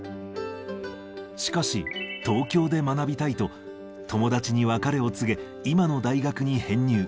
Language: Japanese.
しかし、東京で学びたいと、友達に別れを告げ、今の大学に編入。